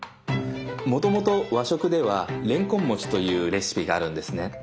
もともと和食ではれんこん餅というレシピがあるんですね。